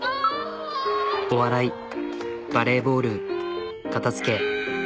お笑いバレーボール片づけ